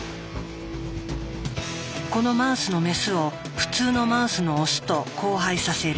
このマウスのメスを普通のマウスのオスと交配させる。